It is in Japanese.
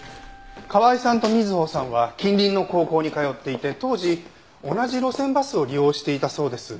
川井さんと瑞穂さんは近隣の高校に通っていて当時同じ路線バスを利用していたそうです。